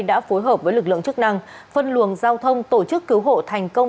đã phối hợp với lực lượng chức năng phân luồng giao thông tổ chức cứu hộ thành công